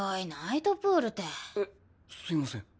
えっすいません。